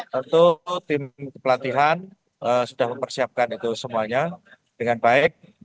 tentu tim pelatihan sudah mempersiapkan itu semuanya dengan baik